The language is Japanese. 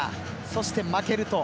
そして、負けると。